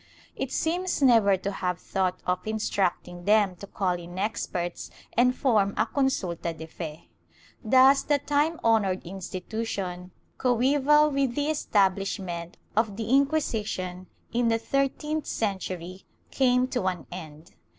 It seems never to have thought of instructing them to call in experts and form a consulta de fe. Thus the time honored institution, coeval with the establishment of the Inqui sition in the thirteenth century, came to an end.